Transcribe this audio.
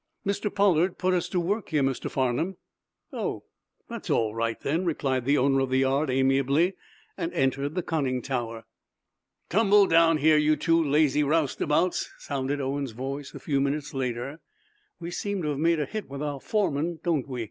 "Mr. Pollard put us to work here, Mr. Farnum." "Oh! That's all right, then," replied the owner of the yard, amiably, and entered the conning tower. "Tumble down here, you two lazy young roustabouts!" sounded Owen's voice a few minutes later. "We seem to have made a hit with our foreman, don't we?"